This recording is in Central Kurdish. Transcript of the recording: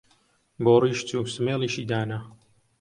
بۆ ڕیش چوو سمێڵیشی دانا